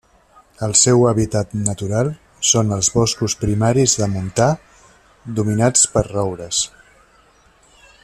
El seu hàbitat natural són els boscos primaris de montà dominats per roures.